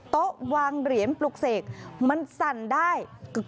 โต๊ะวางเหรียญปลุกเสกมันสั่นได้